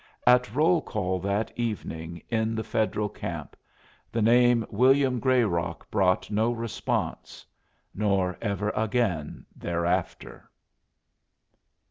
At roll call that evening in the Federal camp the name William Grayrock brought no response, nor ever again there after.